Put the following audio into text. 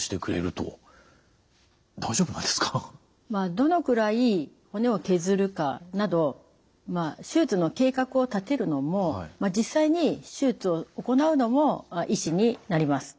どのくらい骨を削るかなど手術の計画を立てるのも実際に手術を行うのも医師になります。